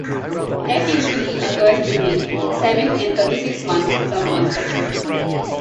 Death usually occurs between seven and thirty-six months from onset.